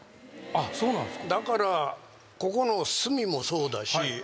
あっそうなんですか。